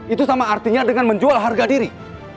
itu sama artinya dengan menjual harga diri